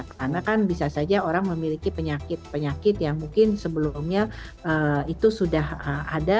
karena kan bisa saja orang memiliki penyakit penyakit yang mungkin sebelumnya itu sudah ada